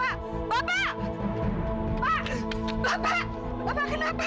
tolong suami saya kena sakit jantung pak